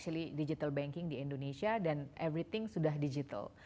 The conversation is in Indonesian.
digitalisasi digital banking di indonesia dan everything sudah digital